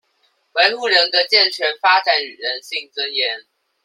維護人格健全發展與人性尊嚴